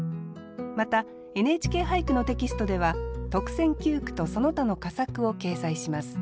また「ＮＨＫ俳句」のテキストでは特選九句とその他の佳作を掲載します。